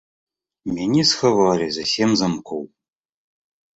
Мяне схавалі за сем замкоў.